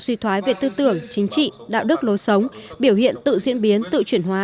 suy thoái về tư tưởng chính trị đạo đức lối sống biểu hiện tự diễn biến tự chuyển hóa